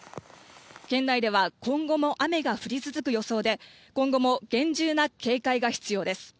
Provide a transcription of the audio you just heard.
県内では今後も雨が降り続く予想で、今後も厳重な警戒が必要です。